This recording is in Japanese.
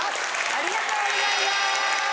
ありがとうございます。